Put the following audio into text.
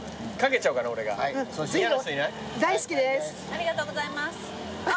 ありがとうございます。